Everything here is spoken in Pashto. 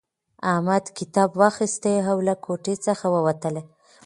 احمد کتاب واخیستی او له کوټې څخه ووتلی.